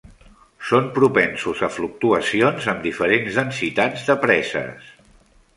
Són propensos a fluctuacions amb diferents densitats de preses.